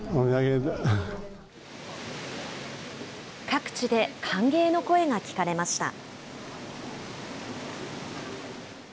各地で歓迎の声が聞かれました。